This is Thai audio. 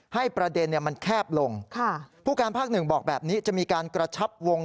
ให้ประเด็นมันแคบลงผู้การภาคหนึ่งบอกแบบนี้จะมีการกระชับวง